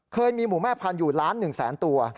เคยมีหมูแม่พันธุ์อยู่ล้าน๑แสนตัว